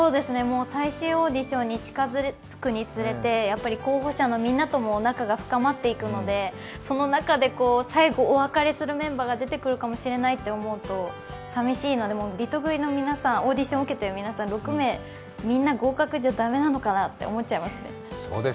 最終オーディションに近づくにつれて候補者のみんなとも仲が深まっていくので、その中で、最後お別れするメンバーが出てくるかもしれないと思うと寂しいので、リトグリのオーディション受けている６名、みんな合格じゃ駄目なのかなぁって思っちゃいますね。